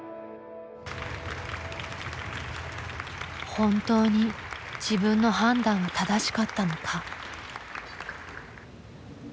本当に自分の判断は正しかったのか。